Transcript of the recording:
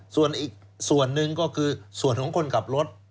ส่วนอีกส่วนหนึ่งก็คือส่วนของคนขับรถ